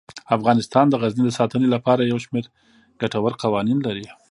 افغانستان د غزني د ساتنې لپاره یو شمیر ګټور قوانین لري.